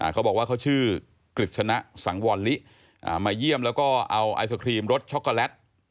เขาบอกว่าเขาชื่อกฤษณะสังวรลิมาเยี่ยมแล้วก็เอาไอศครีมรสช็อกโกแลต